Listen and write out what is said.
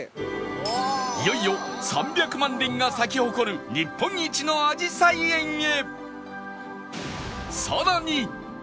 いよいよ３００万輪が咲き誇る日本一のあじさい園へ